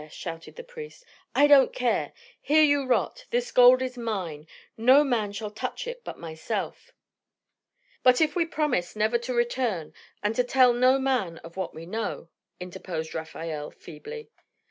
shouted the priest. "I don't care! Here you rot. This gold is mine. No man shall touch it but myself." "But if we promise never to return, and to tell no man of what we know," interposed Rafael, feebly.